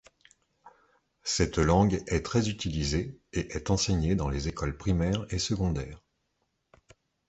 Cette langue est très utilisée et est enseignée dans les écoles primaires et secondaires.